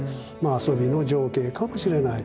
遊びの情景かもしれない。